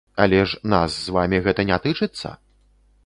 Але ж нас з вамі гэта не тычыцца?